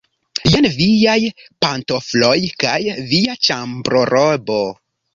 Jen viaj pantofloj kaj via ĉambrorobo.